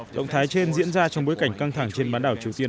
động thái trên diễn ra trong bối cảnh căng thẳng trên bán đảo triều tiên